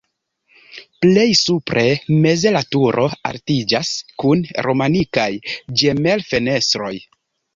Plej supre meze la turo altiĝas kun romanikaj ĝemelfenestroj.